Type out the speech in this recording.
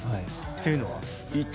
ていうのは？